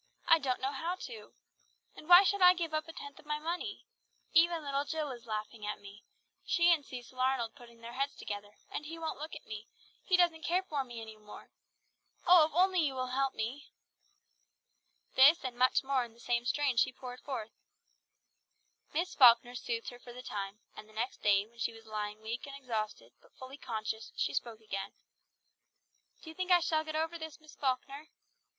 I don't know how to. And why should I give up a tenth of my money? even little Jill is laughing at me she and Cecil Arnold putting their heads together, and he won't look at me, he doesn't care for me any more. Oh, if only you will help me!" This and much more in the same strain she poured forth. Miss Falkner soothed her for the time, and the next day when she was lying weak and exhausted, but fully conscious, she spoke again. "Do you think I shall get over this, Miss Falkner!"